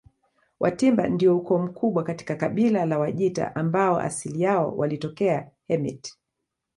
Watimba ndio ukoo mkubwa katika kabila la Wajita ambao asili yao walitokea Hemit